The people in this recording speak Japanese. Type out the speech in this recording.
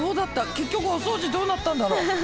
結局お掃除どうなったんだろう。